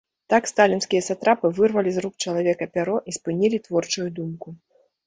Так сталінскія сатрапы вырвалі з рук чалавека пяро і спынілі творчую думку.